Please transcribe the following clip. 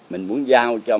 mình muốn giao cho